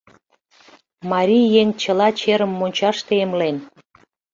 — Марий еҥ чыла черым мончаште эмлен.